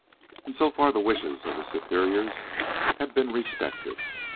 And so far the wishes of his superiors had been respected.